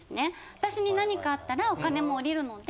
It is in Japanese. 私に何かあったらお金も下りるので。